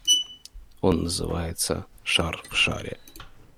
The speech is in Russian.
Он называется «Шар в шаре».